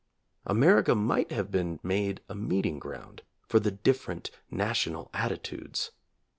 America might have been made a meeting ground for the different national attitudes.